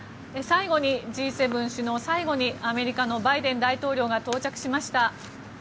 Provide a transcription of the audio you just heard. Ｇ７首脳、最後にアメリカのバイデン大統領が到着しました。